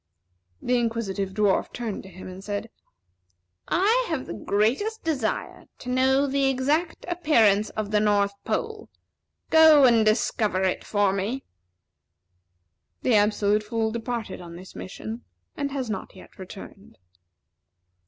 The Inquisitive Dwarf turned to him, and said: "I have a great desire to know the exact appearance of the North Pole. Go and discover it for me." The Absolute Fool departed on this mission, and has not yet returned.